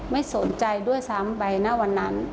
ไม่สนใจด้วยซ้ำไปณวันนั้น